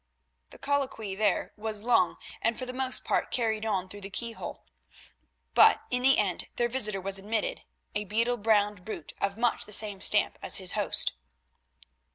The colloquy there was long and for the most part carried on through the keyhole, but in the end their visitor was admitted, a beetle browed brute of much the same stamp as his host.